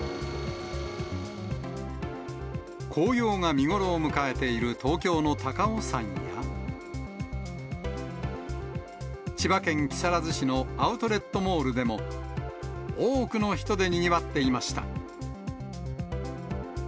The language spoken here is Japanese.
紅葉が見頃を迎えている東京の高尾山や、千葉県木更津市のアウトレットモールでも、多くの人でにぎわっていました。